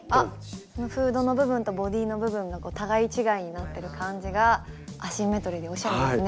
フードの部分とボディーの部分が互い違いになってる感じがアシンメトリーで面白いですね。